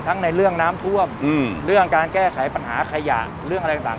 ในเรื่องน้ำท่วมเรื่องการแก้ไขปัญหาขยะเรื่องอะไรต่าง